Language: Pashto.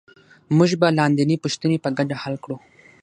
موږ به لاندینۍ پوښتنې په ګډه حل کړو